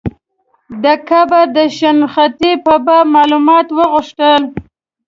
د قبر د شنختې په باب معلومات وغوښتل.